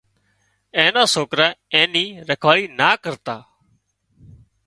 اين نا سوڪرا اين ني رکواۯي نا ڪرتا